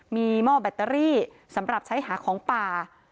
มีหม้อแบตเตอรี่สำหรับใช้หาของป่า